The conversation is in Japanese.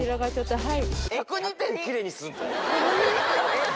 はい